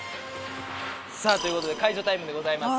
さあということで解除タイムでございます。